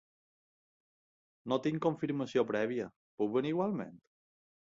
No tinc confirmació prèvia, puc venir igualment?